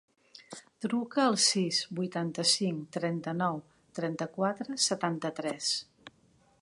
Truca al sis, vuitanta-cinc, trenta-nou, trenta-quatre, setanta-tres.